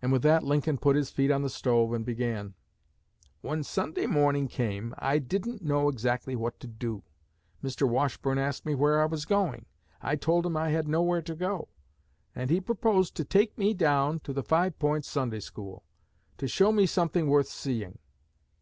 And with that Lincoln put his feet on the stove, and began: 'When Sunday morning came, I didn't know exactly what to do. Mr. Washburne asked me where I was going. I told him I had nowhere to go; and he proposed to take me down to the Five Points Sunday School, to show me something worth seeing.